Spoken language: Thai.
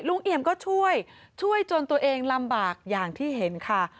เอี่ยมก็ช่วยช่วยจนตัวเองลำบากอย่างที่เห็นค่ะ